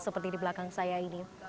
seperti di belakang saya ini